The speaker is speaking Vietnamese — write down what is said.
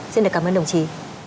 xin được cảm ơn đồng chí